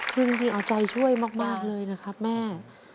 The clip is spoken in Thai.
คือจริงเอาใจช่วยมากเลยนะครับแม่